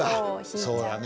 そうだね